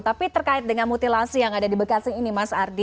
tapi terkait dengan mutilasi yang ada di bekasi ini mas ardi